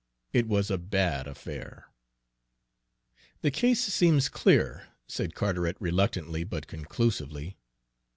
It was a bad affair. "The case seems clear," said Carteret reluctantly but conclusively.